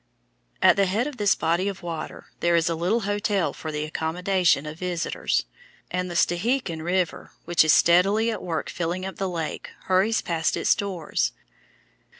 At the head of this body of water there is a little hotel for the accommodation of visitors, and the Stehekin River, which is steadily at work filling up the lake, hurries past its doors.